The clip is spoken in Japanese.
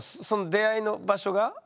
出会いの場所が？